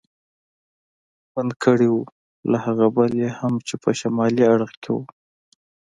بند کړی و، له هغه بل یې هم چې په شمالي اړخ کې و.